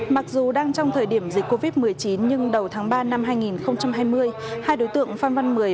mặc dù đang trong thời điểm dịch covid một mươi chín nhưng đầu tháng ba năm hai nghìn hai mươi hai đối tượng phan văn mười